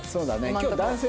今日男性